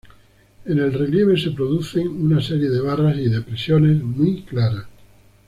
En el relieve se producen una serie de barras y depresiones muy claras.